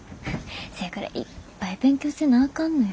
せやからいっぱい勉強せなあかんのよ。